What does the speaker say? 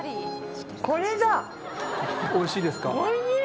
おいしいですか？